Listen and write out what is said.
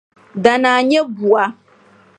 Danaa nya bua.